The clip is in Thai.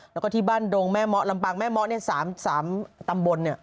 และที่บ้านโดงแม่หม๊อลำปางแม่หม๊อ๓ตำบล